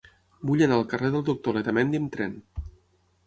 Vull anar al carrer del Doctor Letamendi amb tren.